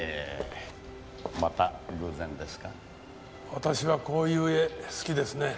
私はこういう絵好きですね。